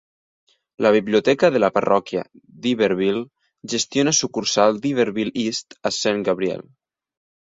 La biblioteca de la parròquia d'Iberville gestiona sucursal d'Iberville East a Saint Gabriel.